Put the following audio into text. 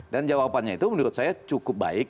dan jawabannya itu menurut saya cukup baik